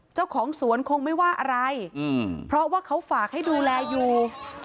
เจ้าของสวนคงไม่ว่าอะไรเพราะว่าเขาฝากให้ดูแลอยู่